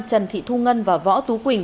trần thị thu ngân và võ tú quỳnh